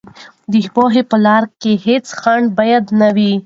د پوهې په لار کې هېڅ خنډ باید نه وي.